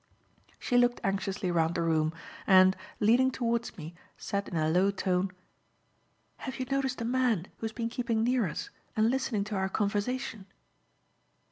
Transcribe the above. She looked anxiously round the room, and, leaning towards me, said in a low tone: "Have you noticed a man who has been keeping near us and listening to our conversation?"